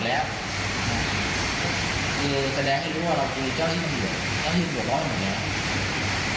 เจ้าละอิ่งห่วงร้อยอยู่เนี่ย